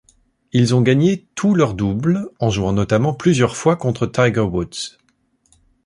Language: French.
Ils ont gagné tous leurs doubles en jouant notamment plusieurs fois contre Tiger Woods.